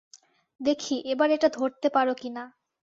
দেখি এবার এটা ধরতে পারো কি না।